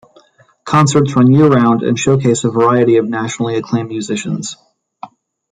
Concerts run year round and showcase a variety of nationally acclaimed musicians.